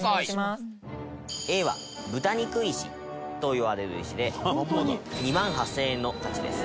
Ａは豚肉石といわれる石で２万８０００円の価値です。